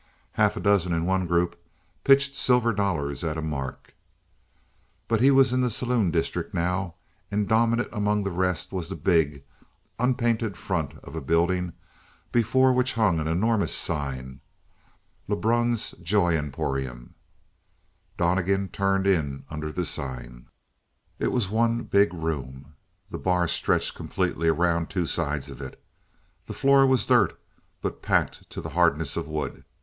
Half a dozen in one group pitched silver dollars at a mark. But he was in the saloon district now, and dominant among the rest was the big, unpainted front of a building before which hung an enormous sign: LEBRUN'S JOY EMPORIUM Donnegan turned in under the sign. It was one big room. The bar stretched completely around two sides of it. The floor was dirt, but packed to the hardness of wood.